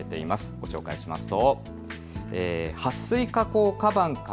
ご紹介しますと。